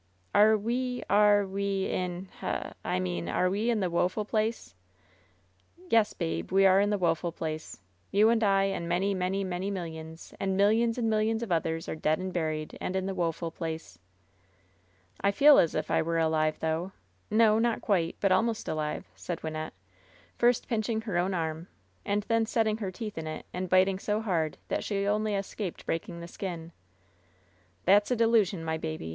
"Are — ^we — are — ^we — ^in h — I mean, are we in the woeful place ?" "Yes, babe, we are in the woeful place. Tou and I and many, many, many millions, and millions and mil lions of others are dead and buried, and in the woef ol place." "I feel as if I were alive, though. No, not quite ; but almost alive," said Wynnette, first pinching her own arm and then setting her teeth in it, and biting so hard that she only escaped breaking the skin. "That's a delusion, my baby.